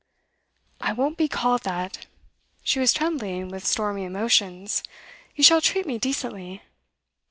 'I won't be called that!' She was trembling with stormy emotions. 'You shall treat me decently.